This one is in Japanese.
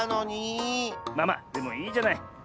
まあまあでもいいじゃない。ね。